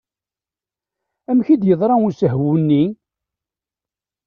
Amek i d-yeḍra usehwu-nni?